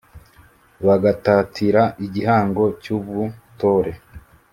bagatatira igihango cy’ubutore